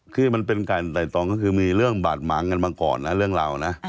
คือมันเป็นการไต่ตองก็คือมีเรื่องบาดหมางกันมาก่อนนะเรื่องราวนะ